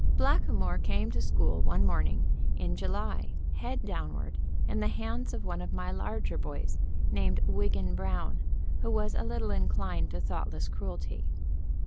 Blackamoor came to school one morning in July, head downward, in the hands of one of my larger boys, named Wiggan Brown, who was a little inclined to thoughtless cruelty.